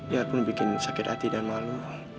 ya pun bikin sakit hati dan malu